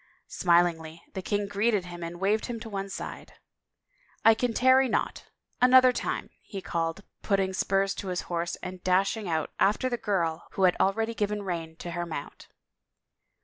Smilingly the king greeted him and waved him one side. " I can tarry not — another time," he called, and putting spurs to his horse dashed out after the girl who had already given rein to her mount.